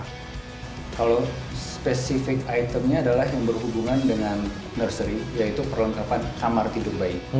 kalau spesifik itemnya adalah yang berhubungan dengan nursery yaitu perlengkapan kamar tidur bayi